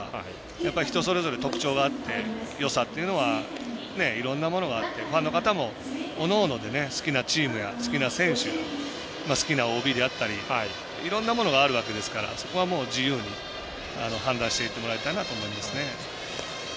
やっぱり人それぞれ特徴があってよさというのはいろんなものがあってファンの方も、おのおので好きなチームや選手好きなＯＢであったりいろんなものがあるわけですからそこは自由に判断していってもらいたいなと思いますね。